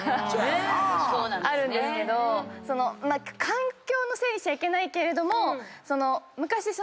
環境のせいにしちゃいけないけど昔。